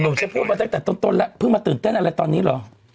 หนุ่มฉันพูดมาตั้งแต่ต้นพึ่งมาตื่นเต้นอะไรตอนนี้หรอ